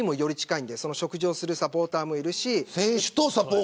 選手と食事をするサポーターもいますし。